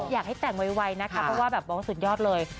อ๋ออยากให้แต่งไวนะคะเพราะว่ามองสุดยอดเลย